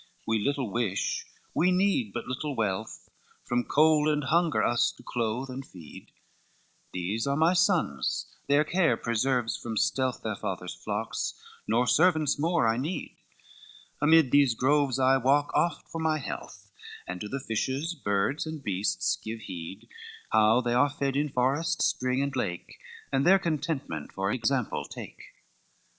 XI "We little wish, we need but little wealth, From cold and hunger us to clothe and feed; These are my sons, their care preserves from stealth Their father's flocks, nor servants more I need: Amid these groves I walk oft for my health, And to the fishes, birds, and beasts give heed, How they are fed, in forest, spring and lake, And their contentment for example take.